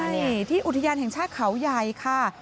นี่ที่อุทยานแห่งชาติเขาใหญ่ค่ะ